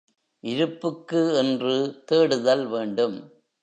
இருப்புக்கு என்று தேடுதல் வேண்டும்.